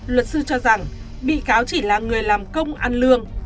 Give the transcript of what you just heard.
luật sư cho rằng bị cáo chỉ là người làm công ăn lương